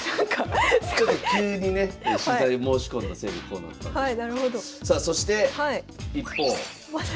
ちょっと急にね取材申し込んだせいでこうなったんでしょうか。